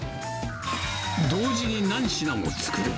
同時に何品も作る。